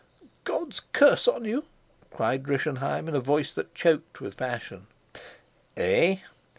"God's curse on you!" cried Rischenheim in a voice that choked with passion. "Eh?